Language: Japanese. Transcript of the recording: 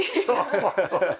ハハハハ。